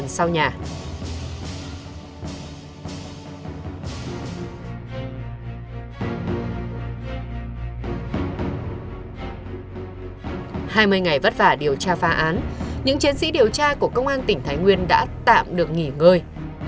hai mươi ngày vất vả điều tra phá án những chiến sĩ điều tra của công an tỉnh thái nguyên đã tạm được nghỉ ngơi